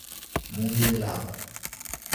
موی لب